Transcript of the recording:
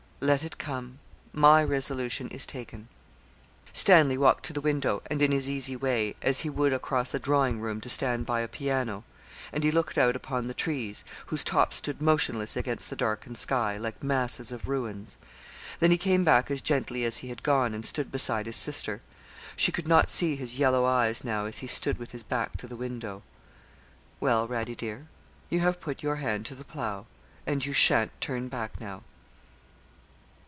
'Let it come my resolution is taken.' Stanley walked to the window, and in his easy way, as he would across a drawing room to stand by a piano, and he looked out upon the trees, whose tops stood motionless against the darkened sky, like masses of ruins. Then he came back as gently as he had gone, and stood beside his sister; she could not see his yellow eyes now as he stood with his back to the window. 'Well, Radie, dear you have put your hand to the plough, and you sha'n't turn back now.'